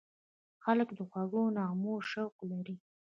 خلک د خوږو نغمو شوق لري.